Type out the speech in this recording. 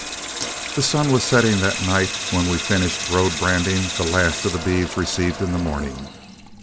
The sun was setting that night when we finished road branding the last of the beeves received in the morning.